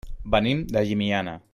Venim de Llimiana.